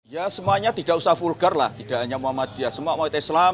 ya semuanya tidak usah vulgar lah tidak hanya muhammadiyah semua umat islam